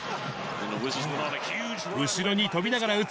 後ろに飛びながら打つ